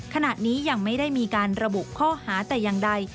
ขณะนี้ยังไม่ได้มีการระบุข้อหาแต่อย่างใด